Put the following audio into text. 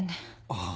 ああ。